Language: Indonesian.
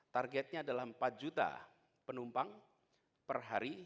targetnya adalah empat juta penumpang per hari